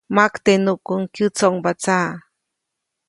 Maktenuʼkuŋ kyätsoʼŋba tsaʼ.